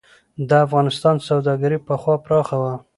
د افغانستان سوداګري پخوا پراخه وه.